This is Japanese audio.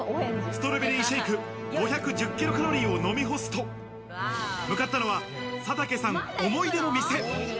ストロベリーシェイク５１０ｋｃａｌを飲み干すと、向かったのは佐竹さん、思い出の店。